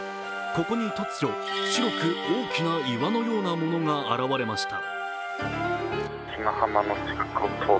ここに突如、白く大きな岩のようなものが現れました。